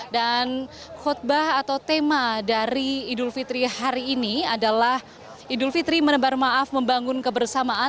dan khutbah atau tema dari idul fitri hari ini adalah idul fitri menebar maaf membangun kebersamaan